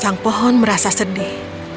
sang pohon merasa sedih